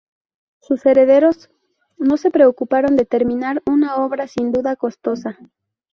Sus herederos no se preocuparon de terminar una obra sin duda costosa.